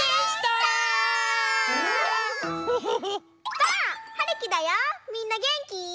ばあっ！はるきだよみんなげんき？